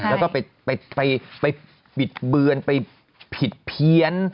แล้วก็ไปบิดเบือนไปผิดเพี้ยน